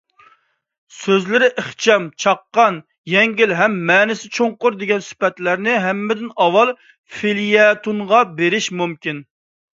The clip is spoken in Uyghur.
سۆزلىرى ئىخچام، چاققان، يەڭگىل ھەم مەنىسى چوڭقۇر دېگەن سۈپەتلەرنى ھەممىدىن ئاۋۋال فېليەتونغا بېرىش مۇمكىن.